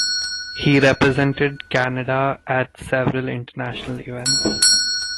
He represented Canada at several international events.